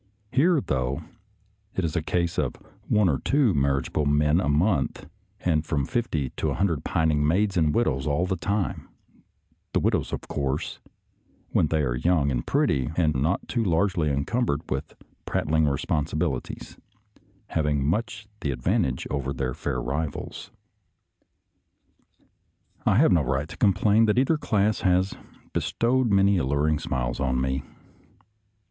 Here, though, it is a case of one or two mar riageable men a month, and from fifty to a hun dred pining maids and widows all the time — the widows, of course, when they are young and pretty and not too largely encumbered with prat tling responsibilities, having much the advan tage over their fair rivals. I have no right to complain that either class has bestowed many alluring smiles on me.